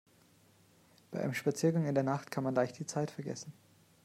Bei einem Spaziergang in der Nacht kann man leicht die Zeit vergessen.